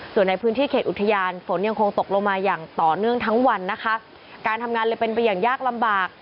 ส่วนในพื้นที่เขตอุทยานฝนยังคงตกลงมาอย่างต่อเนื่องทั้งวันนะคะการทำงานเลยเป็นไปอย่างยากลำบาก